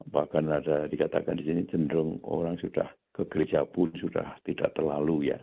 bahkan ada dikatakan di sini cenderung orang sudah ke gereja pun sudah tidak terlalu ya